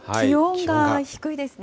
気温が低いですね。